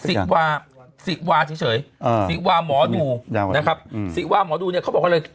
สิวาสิวาเฉยอ่าสิวาหมอดูนะครับศิวาหมอดูเนี่ยเขาบอกว่าเลย